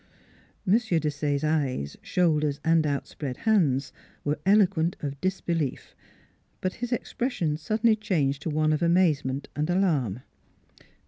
" M. Desaye's eyes, shoulders, and outspread hands were eloquent of disbelief: but his expres sion suddenly changed to one of amazement and alarm.